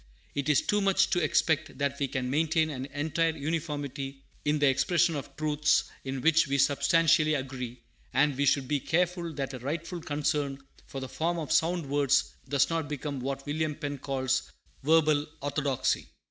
It is too much to expect that we can maintain an entire uniformity in the expression of truths in which we substantially agree; and we should be careful that a rightful concern for "the form of sound words" does not become what William Penn calls "verbal orthodoxy."